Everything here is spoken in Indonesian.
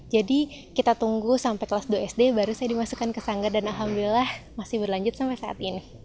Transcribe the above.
jadi kita tunggu sampai kelas dua sd baru saya dimasukkan ke sangga dan alhamdulillah masih berlanjut sampai saat ini